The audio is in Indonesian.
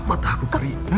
batu aku kering